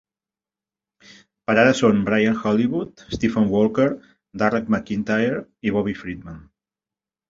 Per ara, són Brian Hollywood, Stephen Walker, Darragh MacIntyre i Bobby Friedman.